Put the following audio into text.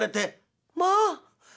「まあ！」